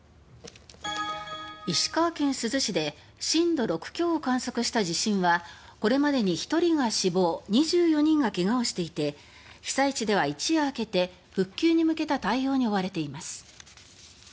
石川県珠洲市で震度６強を観測した地震はこれまでに１人が死亡２４人が怪我をしていて被災地では一夜明けて復旧に向けた対応に追われています。